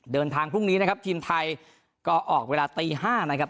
เดินทางพรุ่งนี้นะครับทีมไทยก็ออกเวลาตี๕นะครับ